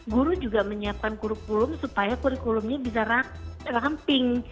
guru juga menyiapkan kurikulum supaya kurikulumnya bisa ramping